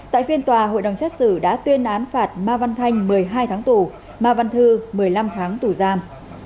tại phiên tòa hội đồng xét xử đã tuyên án phạt ma văn thanh một mươi hai tháng tù ma văn thư một mươi năm tháng tù giam